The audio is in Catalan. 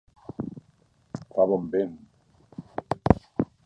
Fa bon vent.